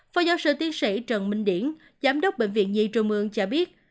phó giáo sư tiến sĩ trần minh điển giám đốc bệnh viện nhi trường mương cho biết